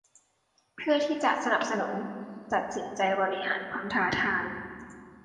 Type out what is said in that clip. เพื่อที่จะสนับสนุนตัดสินใจบริหารความท้าทาย